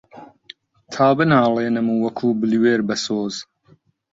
تا بناڵێنم وەکوو بلوێر بەسۆز